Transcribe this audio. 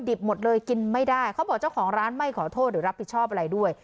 หมดเลยกินไม่ได้เขาบอกเจ้าของร้านไม่ขอโทษหรือรับผิดชอบอะไรด้วย